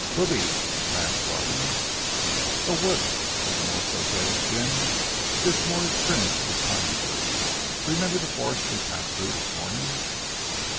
"Bogey," laughed Robin. "A wood," said the more prosaic Jim, "this moor is fringed with pine woods: remember the forest we passed through this morning."